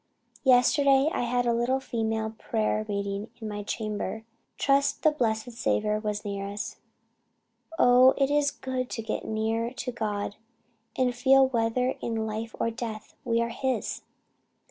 Yesterday I had a little female prayer meeting in my chamber trust the blessed Saviour was near us. Oh it is good to get near to God, and feel whether in life or death, we are His.